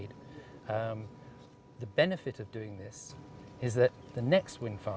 kebaikan dari melakukan ini adalah